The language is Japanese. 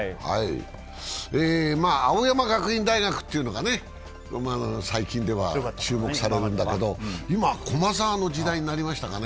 青山学院大学というのは最近では注目されるんだけど、今、駒澤の時代になりましたかね。